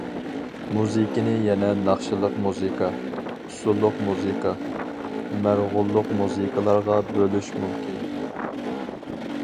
مۇزىكىنى يەنە ناخشىلىق مۇزىكا، ئۇسسۇللۇق مۇزىكا، مەرغۇللۇق مۇزىكىلارغا بۆلۈش مۇمكىن.